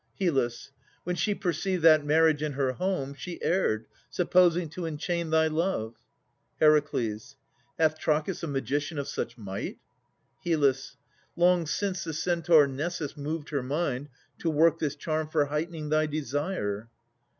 HYL. When she perceived that marriage in her home, She erred, supposing to enchain thy love. HER. Hath Trachis a magician of such might? HYL. Long since the Centaur Nessus moved her mind To work this charm for heightening thy desire.